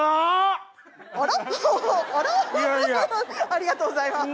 ありがとうございます。